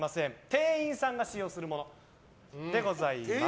店員さんが使用するものでございます。